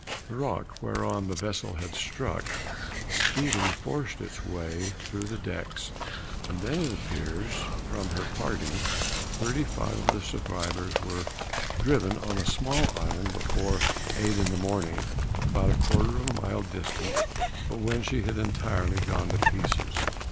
The rock whereon the vessel had struck, speedily forced its way through the decks, and then it appears, from her parting, thirty five of the survivors were driven on a small island before eight in the morning, about a quarter of a mile distant, but when she had entirely gone to pieces.